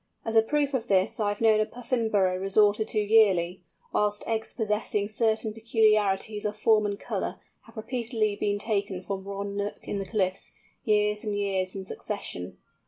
As a proof of this I have known a Puffin burrow resorted to yearly, whilst eggs possessing certain peculiarities of form and colour have repeatedly been taken from one nook in the cliffs, years and years in succession.